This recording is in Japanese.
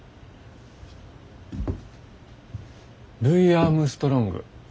ルイ・アームストロング。